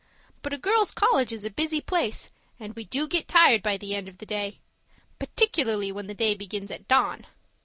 But a girls' college is a busy place and we do get tired by the end of the day! Particularly when the day begins at dawn.